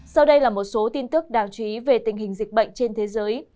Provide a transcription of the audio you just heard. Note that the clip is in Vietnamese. sau đây là một số tin tức đáng chú ý về tình hình dịch bệnh trên thế giới